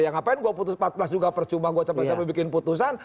ya ngapain gue putus empat belas juga percuma gue cepet cepet bikin putusan